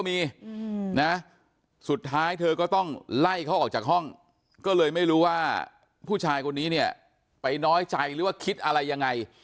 ไล่เขาออกจากห้องก็เลยไม่รู้ว่าผู้ชายคนนี้เนี่ยไปน้อยใจหรือว่าคิดอะไรยังไง